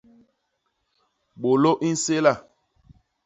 Bôlô i nséla.